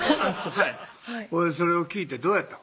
はいそれを聞いてどうやったん？